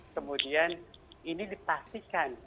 kemudian ini dipastikan